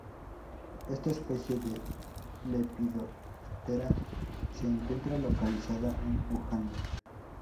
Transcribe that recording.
Esta especie de Lepidoptera se encuentra localizada en Uganda.